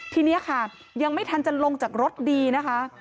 ทีนี้ค่ะยังไม่ทันจะลงจากรถดีนะคะ